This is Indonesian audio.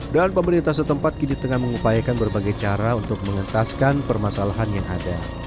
dan pemerintah setempat kini tengah mengupayakan berbagai cara untuk mengentaskan permasalahan yang ada